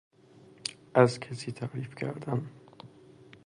از کسی تعریف کردن